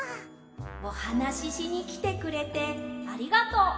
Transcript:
おはなししにきてくれてありがとう。